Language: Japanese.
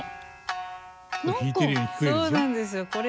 そうなんですよこれ。